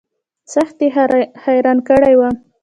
سخت يې حيران کړى وم.